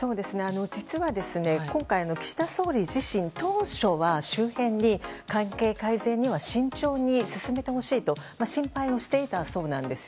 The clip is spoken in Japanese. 実は今回、岸田総理自身当初は周辺に関係改善は慎重に進めてほしいと心配をしていたそうなんです。